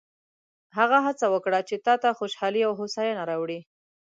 هغه هڅه وکړه چې تا ته خوشحالي او هوساینه راوړي.